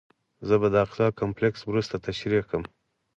زه به د اقصی کمپلکس وروسته تشریح کړم.